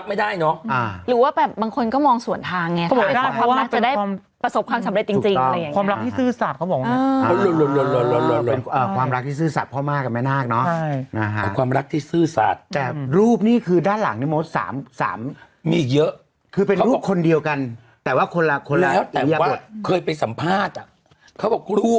ไปขอตั้งที่พุทธแม่งอ่านเมื่ออาทิตย์เวลาไงอ่า